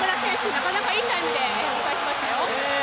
なかなかいいタイムで折り返しましたよ。